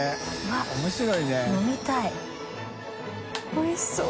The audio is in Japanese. おいしそう。